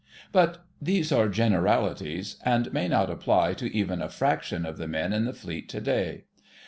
But these are generalities, and may not apply to even a fraction of the men in the Fleet to day.